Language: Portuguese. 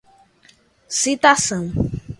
citação